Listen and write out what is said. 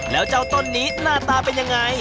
แล้วเจ้าต้นนี้หน้าตาเป็นยังไง